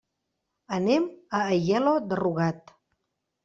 Anem a Aielo de Rugat.